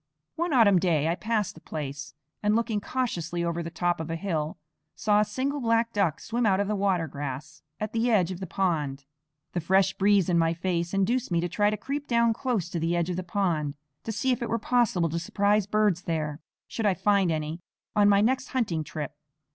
One autumn day I passed the place and, looking cautiously over the top of a hill, saw a single black duck swim out of the water grass at the edge of the pond. The fresh breeze in my face induced me to try to creep down close to the edge of the pond, to see if it were possible to surprise birds there, should I find any on my next hunting trip.